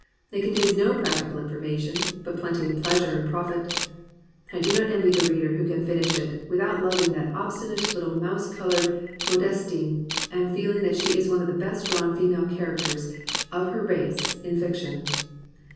It contains no practical information but plenty of pleasure and profit. I do not envy the reader who can finish it without loving that obstinate little mouse coloured Modestine, and feel ing that she is one of the best drawn female char acters, of her race, in fiction.